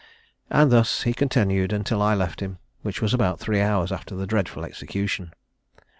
And thus he continued until I left him, which was about three hours after the dreadful execution."